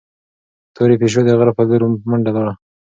تورې پيشو د غره په لور په منډه لاړه.